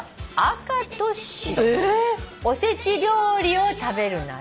「おせち料理を食べるなら」？